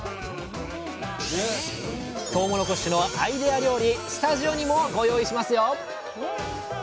とうもろこしのアイデア料理スタジオにもご用意しますよ